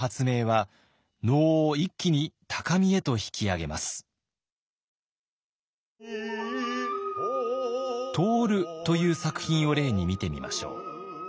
「融」という作品を例に見てみましょう。